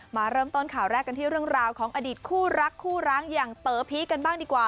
มาเริ่มต้นข่าวแรกกันที่เรื่องราวของอดีตคู่รักคู่ร้างอย่างเต๋อพีคกันบ้างดีกว่า